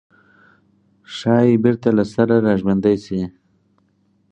ښايي بېرته له سره راژوندي شي.